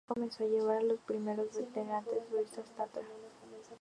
Coches Publicar comenzó a llevar a los primeros veraneantes y turistas Tatra.